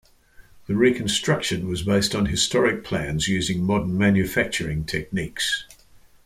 The reconstruction was based on historic plans using modern manufacturing techniques.